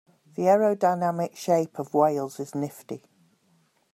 The aerodynamic shape of whales is nifty.